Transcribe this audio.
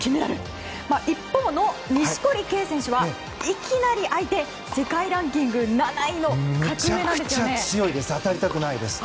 一方錦織圭選手はいきなり相手、世界ランキング７位の格上なんですよね。